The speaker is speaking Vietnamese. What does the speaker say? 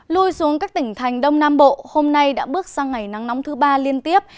lui xuống các tỉnh thành đông nam bộ hôm nay đã bước sang ngày nắng nóng thứ ba liên tiếp